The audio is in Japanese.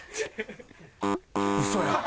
嘘や。